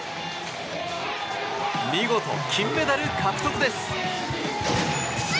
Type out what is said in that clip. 見事金メダル獲得です。